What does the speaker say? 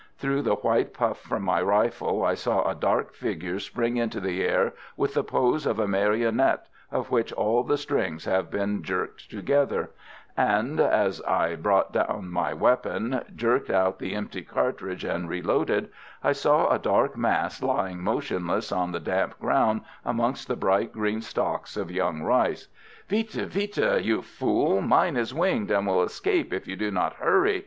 Through the white puff from my rifle I saw a dark figure spring into the air with the pose of a marionette of which all the strings have been jerked together; and, as I brought down my weapon, jerked out the empty cartridge and reloaded, I saw a dark mass lying motionless on the damp ground amongst the bright green stalks of young rice. "Vite! vite! you fool, mine is winged, and will escape if you do not hurry!"